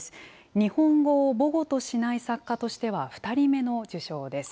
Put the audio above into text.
日本語を母語としない作家としては２人目の受賞です。